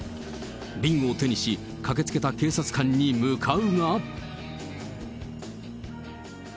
瓶を手にし、駆けつけた警察官に向かうが。